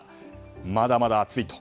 まだまだ暑いと。